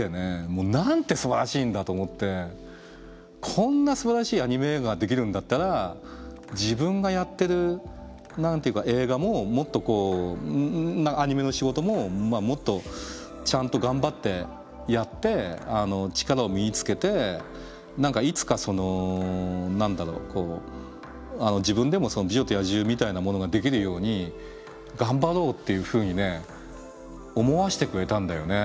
もうなんてすばらしいんだと思ってこんなすばらしいアニメ映画ができるんだったら自分がやってる映画ももっとこうアニメの仕事ももっとちゃんと頑張ってやって力を身につけていつかその自分でも「美女と野獣」みたいなものができるように頑張ろうっていうふうにね思わせてくれたんだよね。